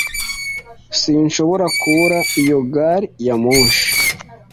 Sinshobora kubura iyo gari ya moshi.